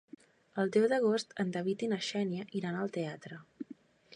El deu d'agost en David i na Xènia iran al teatre.